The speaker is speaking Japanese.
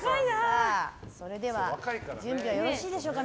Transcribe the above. それでは準備はよろしいでしょうか。